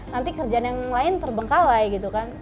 nanti kerjaan yang lain terbengkalai gitu kan